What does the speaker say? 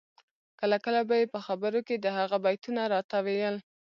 کله کله به یې په خبرو کي د هغه بیتونه راته ویل